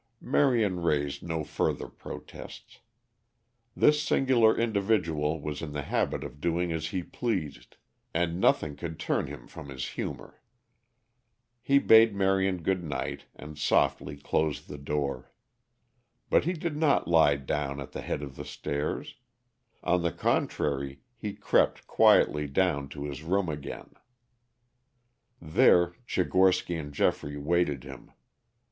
Marion raised no further protests. This singular individual was in the habit of doing as he pleased, and nothing could turn him from his humor. He bade Marion good night and softly closed the door. But he did not lie down at the head of the stairs. On the contrary, he crept quietly down to his room again. There Tchigorsky and Geoffrey waited him.